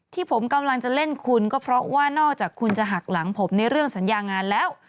ที่ผมกำลังจะเล่นคุณก็เพราะว่านอกจากคุณจะหักหลังผมในเรื่องสัญญางานแล้ว